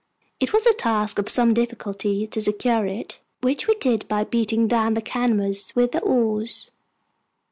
It was a task of some difficulty to secure it, which we did by beating down the canvas with the oars.